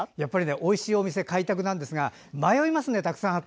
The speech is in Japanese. おいしいお店の開拓なんですが分かります。